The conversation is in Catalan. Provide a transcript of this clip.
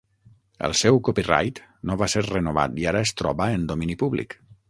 El seu copyright no va ser renovat i ara es troba en domini públic.